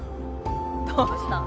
どうしたん？